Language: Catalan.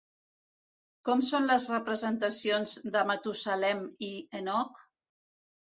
Com són les representacions de Matusalem i Henoc?